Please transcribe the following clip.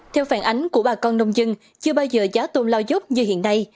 theo phản ánh của bà con nông dân chưa bao giờ giá tôm lao dốc như hiện nay